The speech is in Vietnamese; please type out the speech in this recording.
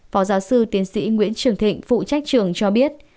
phó giáo sư tiến sĩ nguyễn trường thịnh phụ trách trường cho biết